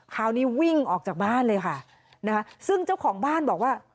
คราวนี้วิ่งออกจากบ้านเลยค่ะนะคะซึ่งเจ้าของบ้านบอกว่า